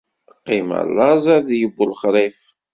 Qqim a laẓ ard yeww lexrif.